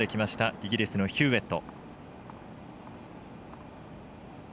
イギリスのヒューウェット。